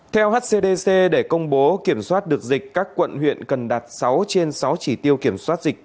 theo hcdc để công bố kiểm soát được dịch các quận huyện cần đạt sáu trên sáu chỉ tiêu kiểm soát dịch